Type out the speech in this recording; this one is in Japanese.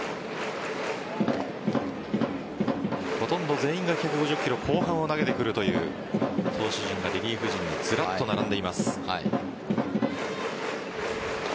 ほとんど全員が１５０キロ後半を投げてくるという投手陣リリーフ陣にずらっと並んでいます。